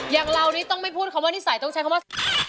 อย่างเรานี่ต้องไม่พูดคำว่านิสัยต้องใช้คำว่า